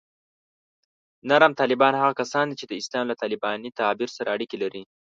نرم طالبان هغه کسان دي چې د اسلام له طالباني تعبیر سره اړیکې لري